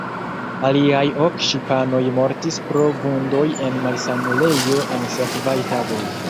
Aliaj ok ŝipanoj mortis pro vundoj en malsanulejo en sekvaj tagoj.